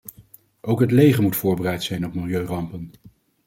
Ook het leger moet voorbereid zijn op milieurampen.